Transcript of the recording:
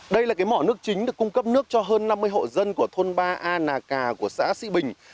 đây là cái mỏ nước chính được cung cấp nước cho hơn năm mươi hộ dân của thôn ba a nà cà của xã sĩ bình